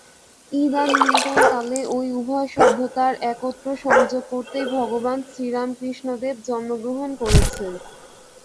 ইদানীন্তন কালে ঐ উভয় সভ্যতার একত্র সংযোগ করতেই ভগবান শ্রীরামকৃষ্ণদেব জন্মগ্রহণ করেছেন।